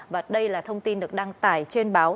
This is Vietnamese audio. và đây là thông tin được đăng tải trên báo